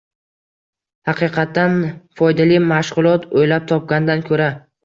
Haqiqatdan foydali mashg‘ulot o‘ylab topgandan ko‘ra